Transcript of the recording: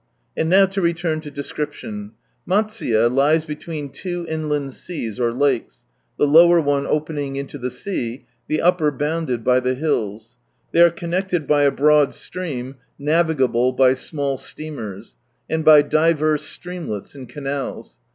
And now to return to description: Matsuye lies between two inland seas or lakes, the lower one opening into the sea, the upper bounded by the hills. They From Sunrise Land are connected by a broad siream, (navigable .^~^ by small steamers,) and by divers slreamlels and canals.